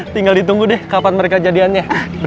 tinggal ditunggu deh kapan mereka jadiannya